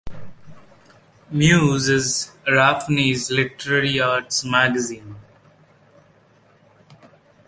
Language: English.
"Muse" is Arapahoe's literary arts magazine.